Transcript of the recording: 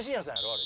あれ。